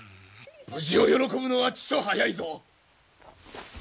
・無事を喜ぶのはちと早いぞ！